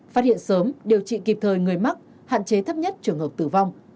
phát hiện sớm điều trị kịp thời người mắc hạn chế thấp nhất trường hợp tử vong